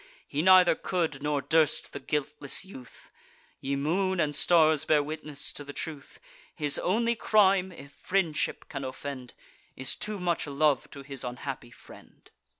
He neither could nor durst, the guiltless youth: Ye moon and stars, bear witness to the truth! His only crime (if friendship can offend) Is too much love to his unhappy friend."